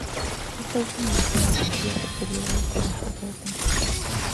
Esta última lesión hizo que ya se perdiera lo que restaba de temporada.